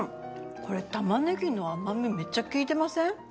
これ玉ねぎの甘みめっちゃきいてません？